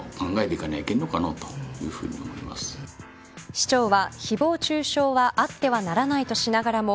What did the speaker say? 市長は、ひぼう中傷はあってはならないとしながらも